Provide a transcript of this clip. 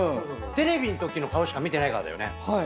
テレビんときの顔しか見てないからだよね。